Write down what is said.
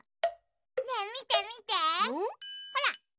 ねえみてみてほら。